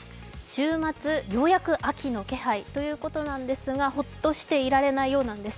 週末、ようやく秋の気配ということなんですがほっとしていられないようなんです。